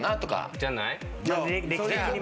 ・じゃない？